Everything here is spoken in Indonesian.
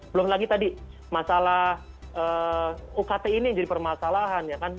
belum lagi tadi masalah ukt ini jadi permasalahan